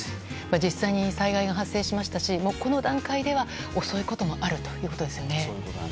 実際に災害が発生しましたしこの段階では遅いこともあるということですね。